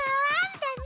だね。